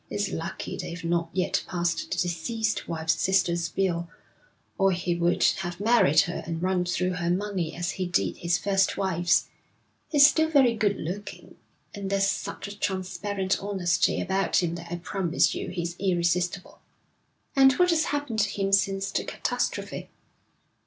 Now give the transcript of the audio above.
It's lucky they've not yet passed the deceased wife's sister's bill, or he would have married her and run through her money as he did his first wife's. He's still very good looking, and there's such a transparent honesty about him that I promise you he's irresistible.' 'And what has happened to him since the catastrophe?'